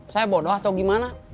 saya bodoh atau gimana